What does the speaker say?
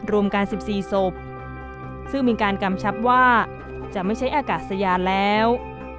รวมกัน๑๔ศพซึ่งมีการกำชับว่าจะไม่ใช้อากาศยานแล้ว